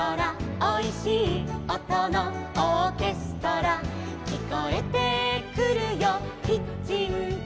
「おいしいおとのオーケストラ」「きこえてくるよキッチンから」